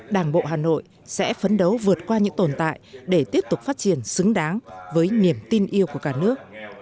đảng bộ hà nội sẽ phấn đấu vượt qua những tồn tại để tiếp tục phát triển xứng đáng với niềm tin yêu của cả nước